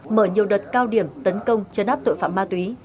mở nhiều đợt cao điểm tấn công chấn áp tội phạm ma túy